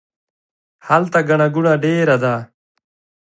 هلته ګڼه ګوڼه ډیره ده